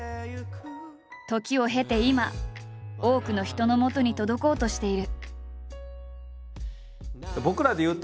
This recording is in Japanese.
時を経て今多くの人のもとに届こうとしている。